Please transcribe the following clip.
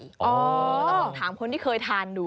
ต้องลองถามคนที่เคยทานดู